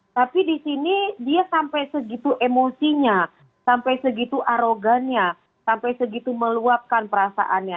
tapi di sini dia sampai segitu emosinya sampai segitu arogannya sampai segitu meluapkan perasaannya